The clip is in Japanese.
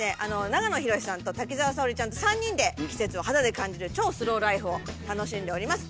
長野博さんと滝沢沙織ちゃんと３人で季節を肌で感じる超スローライフを楽しんでおります。